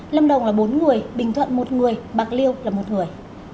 lâm đồng là bốn người bình thuận một người bạc liêu là một người